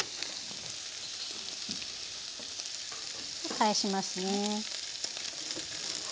返しますね。